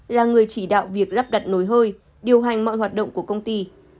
là người chỉ đạo việc lắp đặt nồi hơi điều hành mọi hoạt động của công ty